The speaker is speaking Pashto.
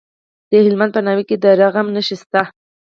د هلمند په ناوې کې د رخام نښې شته.